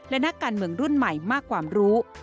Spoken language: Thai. และนักการเมืองรุ่นใหม่มากความรู้